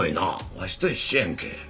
わしと一緒やんけ。